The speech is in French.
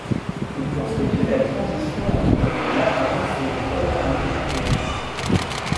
Il constitue la transition entre le larynx et le premier anneau trachéal.